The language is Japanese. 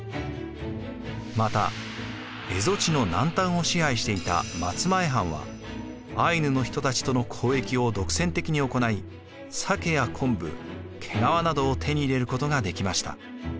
また蝦夷地の南端を支配していた松前藩はアイヌの人たちとの交易を独占的に行い鮭や昆布毛皮などを手に入れることができました。